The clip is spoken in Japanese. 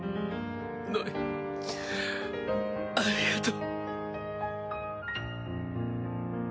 ノイありがとう。